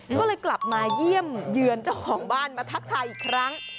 ก็เลยกลับมาเยี่ยมเยือนเจ้าของบ้านมาทักทายอีกครั้ง